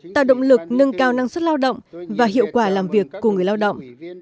tạo động lực nâng cao năng suất lao động và hiệu quả làm việc của người lao động